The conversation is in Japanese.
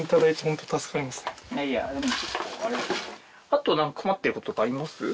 あと何か困ってることとかあります？